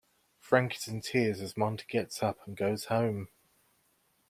Frank is in tears as Monty gets up and goes home.